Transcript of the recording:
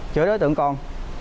chửi đối tượng còn